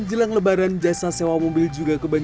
jelang lebaran jasa sewap kering